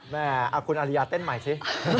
แม่คุณอริยาเต้นใหม่สิ